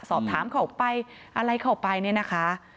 สอบถามเข้าไปอะไรเข้าไปเนี่ยนะคะ